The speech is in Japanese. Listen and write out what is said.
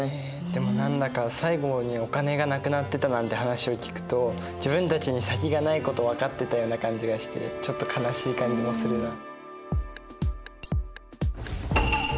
でも何だか最後にお金がなくなってたなんて話を聞くと自分たちに先がないこと分かってたような感じがしてちょっと悲しい感じもするな。